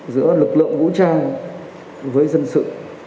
giữa lực lượng vũ trang với dân sự